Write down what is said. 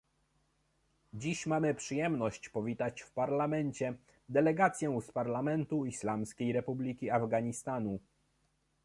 Dziś mamy przyjemność powitać w Parlamencie delegację z parlamentu Islamskiej Republiki Afganistanu